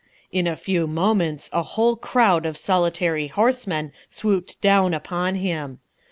In a few moments a whole crowd of solitary horsemen swooped down upon him.